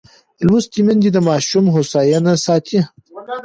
لوستې میندې د ماشوم هوساینه ساتي.